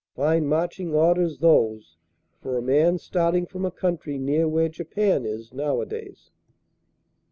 Fine marching orders, those, for a man starting from a country near where Japan is nowadays!